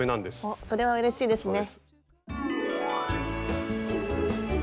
おっそれはうれしいですね。